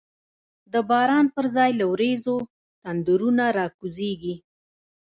د باران پر ځای له وریځو، تندرونه را کوزیږی